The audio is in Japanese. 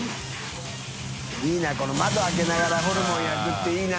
いいこの窓開けながらホルモン焼くっていいな。